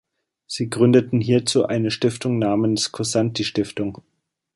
Sie gründeten hierzu eine Stiftung namens Cosanti-Stiftung.